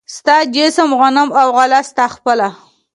ستا جسم، غنم او غله ستا خپله